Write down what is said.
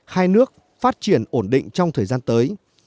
hai nước phát triển ổn định trong thời gian tới